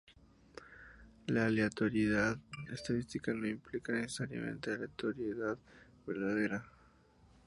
La aleatoriedad estadística no implica necesariamente aleatoriedad "verdadera".